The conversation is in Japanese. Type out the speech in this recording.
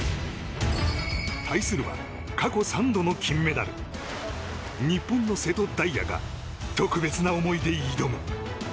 対するは、過去３度の金メダル日本の瀬戸大也が特別な思いで挑む。